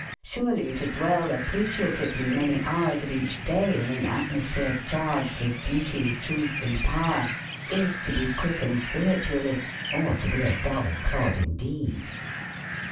Surely to dwell appreciatively many hours of each day in an atmosphere charged with beauty, truth, and power is to be quickened spiritually or to be a dull clod indeed.